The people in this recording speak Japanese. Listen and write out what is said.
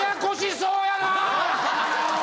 そうかな？